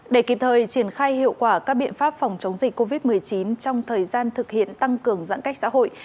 để kịp thời triển khai hiệu quả các biện pháp phòng chống dịch covid một mươi chín trong thời gian thực hiện tăng cường giãn cách xã hội